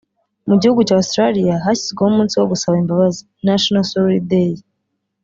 Mu gihugu cya Australia hashyizweho umunsi wo gusaba imbabazi (National Sorry Day)